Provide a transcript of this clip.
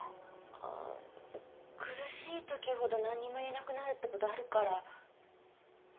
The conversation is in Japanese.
ああ苦しい時ほど何にも言えなくなるってことあるから。